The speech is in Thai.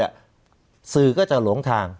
สื่อก็จะหลงทาง